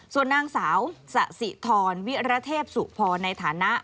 ส่วนนางสาวสะสิทรวิระเทพสุพรในฐานะ